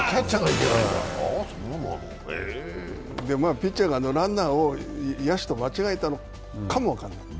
ピッチャーがランナーを野手と間違えたかもしれない。